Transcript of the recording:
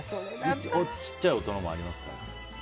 小さい音のもありますから。